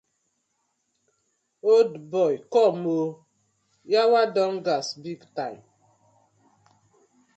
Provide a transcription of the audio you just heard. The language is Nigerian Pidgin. Old boy com ooo!!! Yawa don gas big time.